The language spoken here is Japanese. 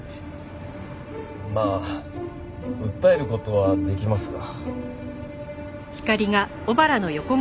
まあ訴える事はできますが。